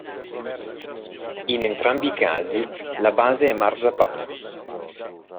In entrambi i casi la base è il marzapane.